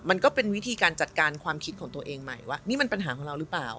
มันก็เป็นวิธีการจัดการความคิดของตัวเองใหม่ว่านี่มันปัญหาของเราหรือเปล่า